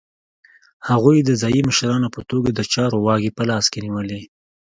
هغوی د ځايي مشرانو په توګه د چارو واګې په لاس کې نیولې.